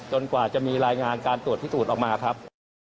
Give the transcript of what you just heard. กว่าจะมีรายงานการตรวจพิสูจน์ออกมาครับ